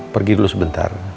pergi dulu sebentar